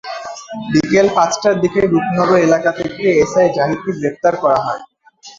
বিকেল পাঁচটার দিকে রূপনগর এলাকা থেকে এসআই জাহিদকে গ্রেপ্তার করা হয়।